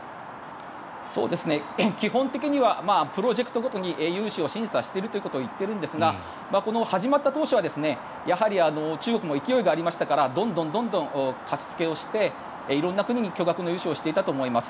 基本的にはプロジェクトごとに融資を審査するということを言っているんですが始まった当初は、やはり中国も勢いがありましたからどんどん貸し付けをして色んな国に巨額の融資をしていたと思います。